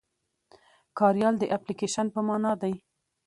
کاریال د اپليکيشن په مانا دی.